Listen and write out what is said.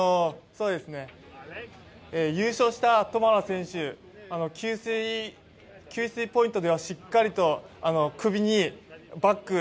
優勝したトマラ選手給水ポイントではしっかりと首にバック。